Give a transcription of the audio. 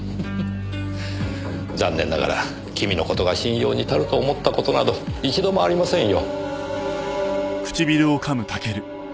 残念ながら君の事が信用に足ると思った事など一度もありませんよ。